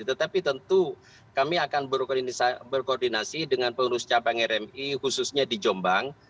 tetapi tentu kami akan berkoordinasi dengan pengurus cabang rmi khususnya di jombang